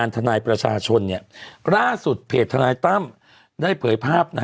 แต่ไม่รู้อะแต่หมายถึงว่า